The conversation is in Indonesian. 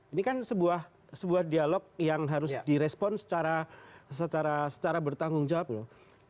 ini kan sebuah dialog yang harus direspon secara bertanggung jawab loh